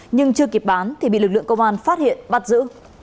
nhưng chưa kịp bán thì bị lực lượng công an phát hiện bắt giữ